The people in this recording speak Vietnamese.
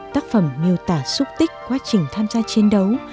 tác phẩm miêu tả xúc tích quá trình tham gia chiến đấu